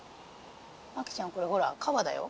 秋ちゃんこれほらカバだよ。